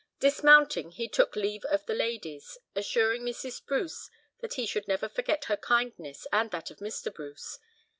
Dismounting, he took leave of the ladies, assuring Mrs. Bruce that he should never forget her kindness and that of Mr. Bruce.